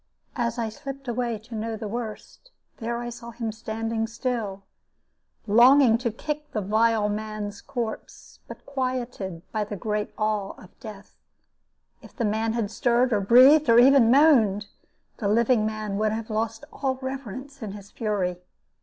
As I slipped away, to know the worst, there I saw him standing still, longing to kick the vile man's corpse, but quieted by the great awe of death. If the man had stirred, or breathed, or even moaned, the living man would have lost all reverence in his fury.